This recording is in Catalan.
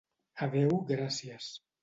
A Déu gràcies.